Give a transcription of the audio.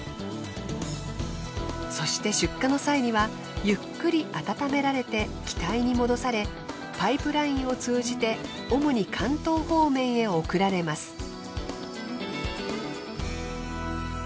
そして出荷の際にはゆっくり温められて気体に戻されパイプラインを通じておもに関東方面へ送られます。